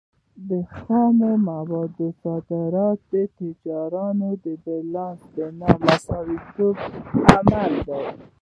خام موادو صادرات د تجارتي بیلانس د نامساواتوب لامل دی.